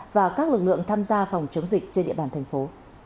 và các lực lượng tham gia phòng chống dịch trên địa bàn thành phố